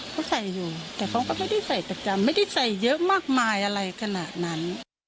เขาใส่อยู่แต่เขาก็ไม่ได้ใส่ประจำไม่ได้ใส่เยอะมากมายอะไรขนาดนั้น